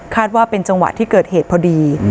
ว่าเป็นจังหวะที่เกิดเหตุพอดี